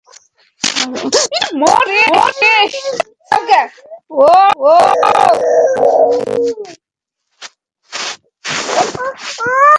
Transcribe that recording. ইহার অন্তরালে আছে প্রকৃত ইন্দ্রিয়।